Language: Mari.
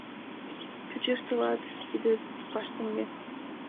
Чучеш тылат: тиде — паштеҥге.